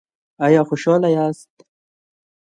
ایا خوشحاله یاست؟